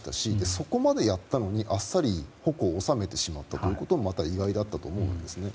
そこまでやったのに、あっさり矛を収めてしまったこともまた意外だったと思うんですね。